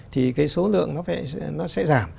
thì cái số lượng nó sẽ giảm